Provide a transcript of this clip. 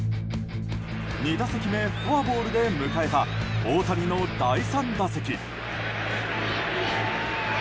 ２打席目、フォアボールで迎えた大谷の第３打席。